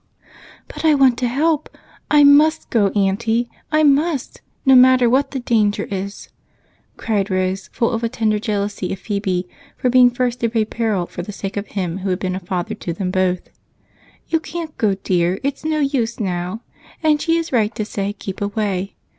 "But I want to help. I must go, Aunty, I must no matter what the danger is," cried Rose, full of a tender jealousy of Phebe for being first to brave peril for the sake of him who had been a father to them both. "You can't go, dear, it's no use now, and she is right to say, 'Keep away.'